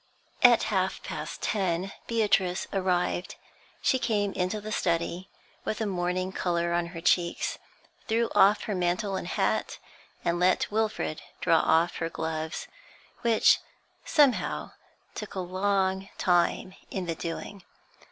At half past ten Beatrice arrived. She came into the study with a morning colour on her cheeks, threw off her mantle and hat, and let Wilfrid draw off her gloves, which somehow took a long time in the doing.